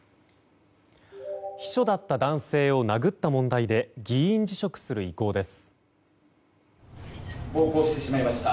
秘書だった男性を殴った問題で議員辞職する意向です。